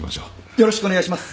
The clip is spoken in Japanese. よろしくお願いします！